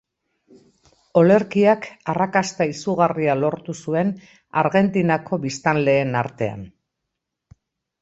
Olerkiak arrakasta izugarria lortu zuen Argentinako biztanleen artean.